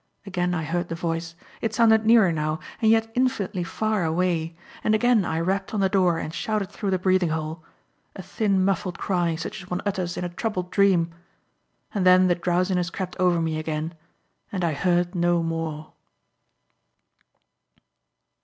Again I heard the voice it sounded nearer now, and yet infinitely far away and again I rapped on the door and shouted through the breathing hole; a thin, muffled cry, such as one utters in a troubled dream. And then the drowsiness crept over me again and I heard no more.